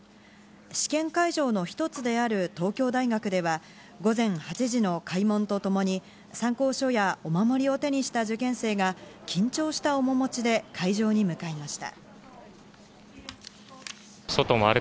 試験会場の一つである東京大学では、午前８時の開門とともに、参考書やお守りを手にした受験生が緊張した面持ちで会場に向かいました。